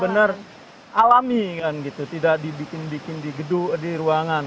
sauna alam yang benar benar alami tidak dibikin bikin di gedung di ruangan